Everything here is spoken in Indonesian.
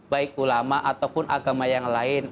baik ulama ataupun agama yang lain